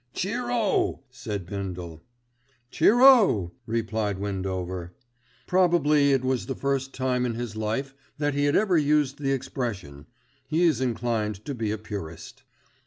"Cheer o!" said Bindle. "Cheer o!" replied Windover. Probably it was the first time in his life that he had ever used the expression: he is inclined to be a purist.